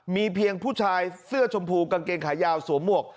มีเพียงผู้ชายเสื้อชมพูกางเกงขายาวสวมหมวก